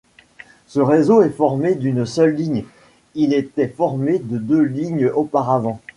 Ce réseau est formé d'une seule ligne, il était formé de deux lignes auparavant.